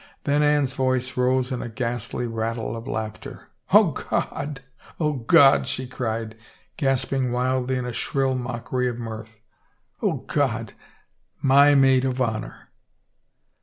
Then Anne's voice rose in a ghastly rattle of laughter. " O God, O God !" she cried, gasping wildly in a shrill mockery of mirth, " O God, my maid of honor